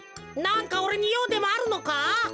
なんかおれにようでもあるのか？